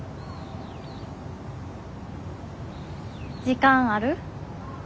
時間ある？